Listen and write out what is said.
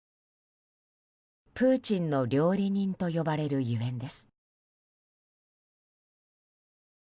プーチンの料理人と呼ばれる所以です。